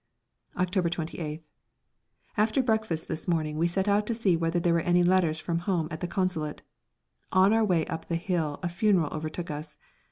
October 28th. After breakfast this morning we set out to see whether there were any letters from home at the Consulate. On our way up the hill a funeral overtook us.